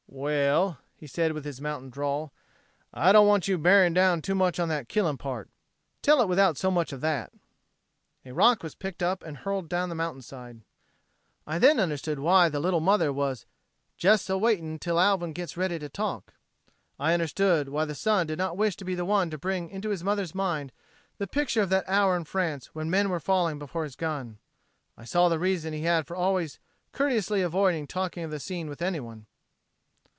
"Well," he said with his mountain drawl, "I don't want you bearing down too much on that killing part. Tell it without so much of that!" A rock was picked up and hurled down the mountain. I then understood why the little mother was "jes' a waiting till Alvin gits ready to talk." I understood why the son did not wish to be the one to bring into his mother's mind the picture of that hour in France when men were falling before his gun. I saw the reason he had for always courteously avoiding talking of the scene with anyone.